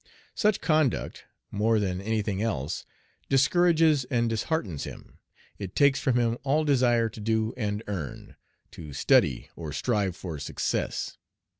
Such conduct, more than any thing else, discourages and disheartens him. It takes from him all desire to do and earn, to study or strive for success.